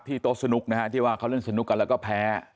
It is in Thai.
โต๊ะสนุกนะฮะที่ว่าเขาเล่นสนุกกันแล้วก็แพ้